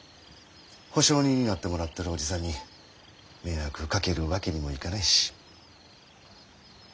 保証人になってもらってる叔父さんに迷惑かけるわけにもいかないし。